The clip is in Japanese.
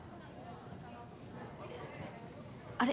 あれ？